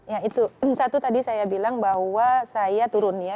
ya itu satu tadi saya bilang bahwa saya turun ya